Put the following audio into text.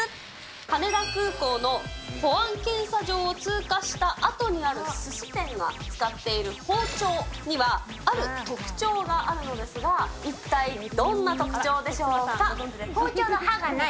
羽田空港の保安検査場を通過したあとにあるすし店が使っている包丁には、ある特徴があるのですが、包丁の刃がない。